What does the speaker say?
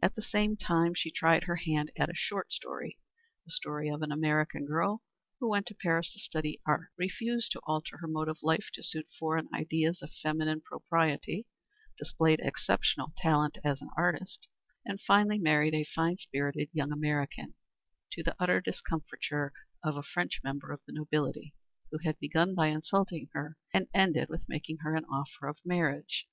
At the same time she tried her hand at a short story the story of an American girl who went to Paris to study art, refused to alter her mode of life to suit foreign ideas of female propriety, displayed exceptional talent as an artist, and finally married a fine spirited young American, to the utter discomfiture of a French member of the nobility, who had begun by insulting her and ended with making her an offer of marriage.